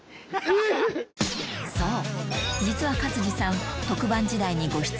そう！